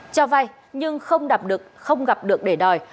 cho vay nhưng không đạp được không gặp được để đòi